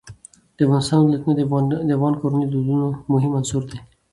د افغانستان ولايتونه د افغان کورنیو د دودونو مهم عنصر دی.